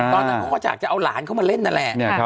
ตอนนั้นเขาก็อยากจะเอาหลานเข้ามาเล่นนั่นแหละ